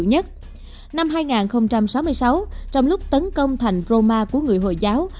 năm hai nghìn sáu mươi sáu trong lúc tấn công thành roma của người hồi giáo